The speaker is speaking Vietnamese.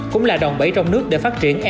cũng là đòn bẫy trong nước để phát triển m a